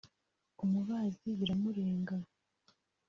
umubazi biramurenga